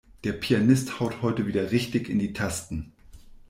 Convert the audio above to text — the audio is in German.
Der Pianist haut heute wieder richtig in die Tasten.